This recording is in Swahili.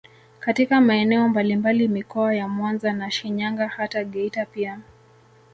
Katika maeneo mbalimbali mikoa ya Mwanza na Shinyanga hata Geita pia